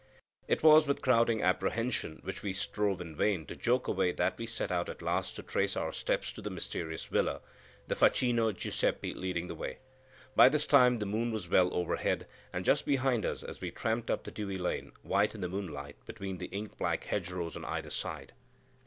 It was with crowding apprehensions which we strove in vain to joke away that we set out at last to retrace our steps to the mysterious villa, the facchino Giuseppe leading the way. By this time the moon was well overhead, and just behind us as we tramped up the dewy lane, white in the moonlight between the ink black hedgerows on either side.